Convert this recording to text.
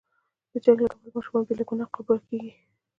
د جنګ له کبله ماشومان بې له ګناه قرباني کېږي.